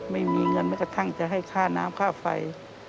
ไม่มีเงินแม้กระทั่งจะให้ค่าน้ำค่าไฟ